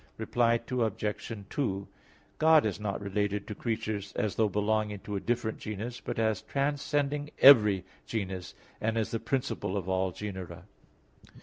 Reply Obj. 2: God is not related to creatures as though belonging to a different genus, but as transcending every genus, and as the principle of all genera.